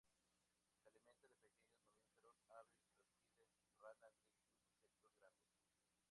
Se alimenta de pequeños mamíferos, aves, reptiles, ranas e incluso insectos grandes.